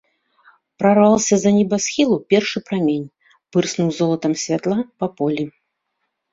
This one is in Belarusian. Прарваўся з-за небасхілу першы прамень, пырснуў золатам святла па полі.